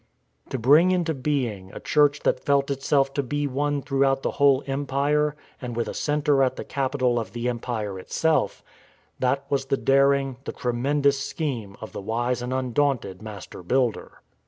To bring into being a Church that felt itself to be one throughout the whole Empire and with a centre at the capital of the Empire itself — that was the daring, the tre mendous scheme of the wise and undaunted master builder.